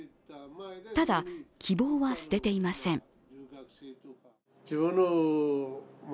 ただ、希望は捨てていません。